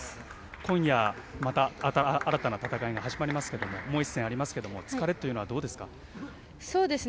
今夜、また新たな戦いが始まりますがもう１戦ありますが疲れというのはどうですか？